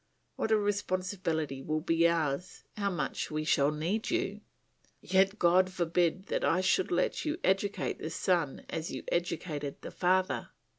What a responsibility will be ours, how much we shall need you! Yet God forbid that I should let you educate the son as you educated the father.